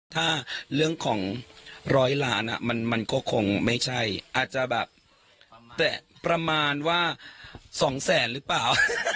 ถ้าเรื่องของร้อยล้านมันก็คงไม่ใช่อาจจะแบบประมาณว่า๒แสนหรือเปล่า